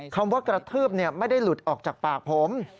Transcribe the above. คำว่ากระทืบไม่ได้หลุดออกจากปากผม